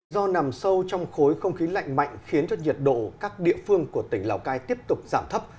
do nằm sâu trong khối không khí lạnh mạnh khiến cho nhiệt độ các địa phương của tỉnh lào cai tiếp tục giảm thấp